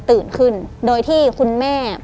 ตื่นขึ้นโดยที่คุณแม่